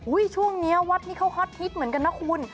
ช่วงนี้วัดนี้เขาฮอตฮิตเหมือนกันนะคุณ